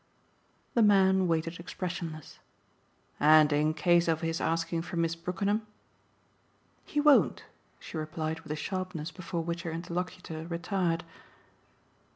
The man waited expressionless. "And in case of his asking for Miss Brookenham ?" "He won't!" she replied with a sharpness before which her interlocutor retired.